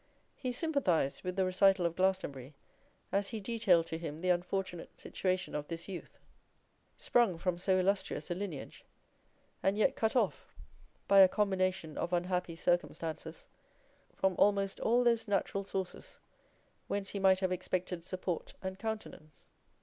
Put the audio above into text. He sympathised with the recital of Glastonbury as he detailed to him the unfortunate situation of this youth, sprung from so illustrious a lineage, and yet cut off by a combination of unhappy circumstances from almost all those natural sources whence he might have expected support and countenance.